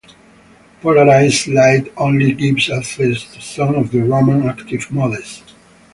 Polarized light only gives access to some of the Raman active modes.